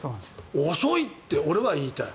遅いって俺は言いたい。